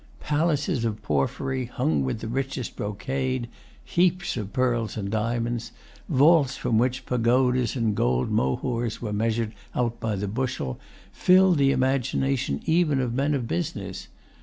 Palaces of porphyry, hung with the richest brocade, heaps of pearls and diamonds, vaults from which pagodas and gold mohurs were measured out by the bushel, filled the imagination even of men of business.